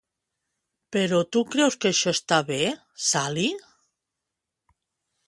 —Però tu creus que això està bé, Sally?